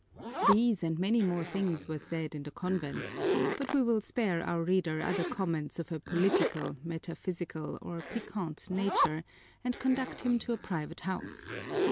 These and many more things were said in the convents, but we will spare our reader other comments of a political, metaphysical, or piquant nature and conduct him to a private house.